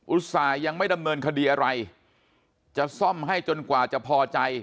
อุตส่าห์ยังไม่ดำเนินคดีอะไรจะซ่อมให้จนกว่าจะพอใจ